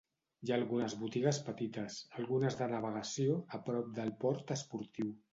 Hi ha algunes botigues petites, algunes de navegació, a prop del port esportiu.